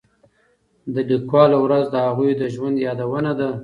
د لیکوالو ورځ د هغوی د ژوند یادونه ده.